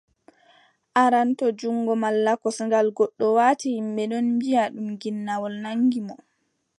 Aran, to junngo malla kosngal goɗɗo waati, yimɓe ɗon mbiʼa ɗum ginnawol nanngi mo.